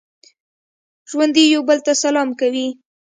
ژوندي یو بل ته سلام کوي